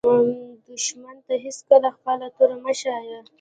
دښمن ته هېڅکله خپله توره مه ښایه